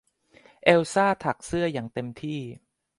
เอลซ่าถักเสื้ออย่างเต็มที่